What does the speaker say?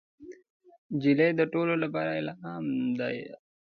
نجلۍ د ټولو لپاره الهام ده.